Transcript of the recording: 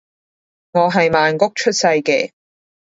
我係曼谷出世嘅